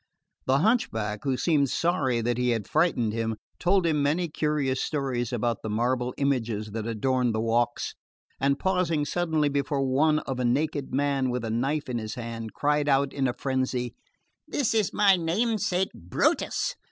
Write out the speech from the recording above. The hunchback, who seemed sorry that he had frightened him, told him many curious stories about the marble images that adorned the walks; and pausing suddenly before one of a naked man with a knife in his hand, cried out in a frenzy: "This is my namesake, Brutus!"